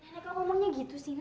nenek kau ngomongnya gitu sih nek